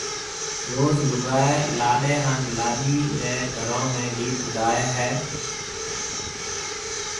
روز لوگائيَ لاڏَي ھان لاڏِي رَي گھرون ۾ گيت گائيَ ھيََََ